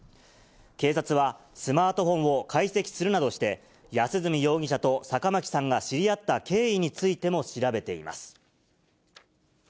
警察は、スマートフォンを解析するなどして、安栖容疑者と坂巻さんが知り合った経緯についても調べています。